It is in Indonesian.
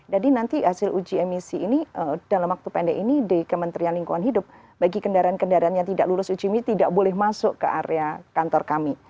nanti hasil uji emisi ini dalam waktu pendek ini di kementerian lingkungan hidup bagi kendaraan kendaraan yang tidak lulus uji mie tidak boleh masuk ke area kantor kami